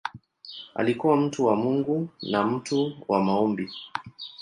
Alikuwa mtu wa Mungu na mtu wa maombi.